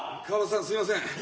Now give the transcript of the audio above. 川畑さんすみません。